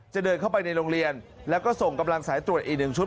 เดินเข้าไปในโรงเรียนแล้วก็ส่งกำลังสายตรวจอีกหนึ่งชุด